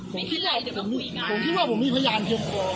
ขออนุญาตกับคุณท่อนหลัง